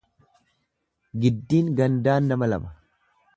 Giddiin gandaan nama laba.